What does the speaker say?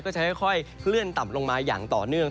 จะค่อยเคลื่อนต่ำลงมาอย่างต่อเนื่อง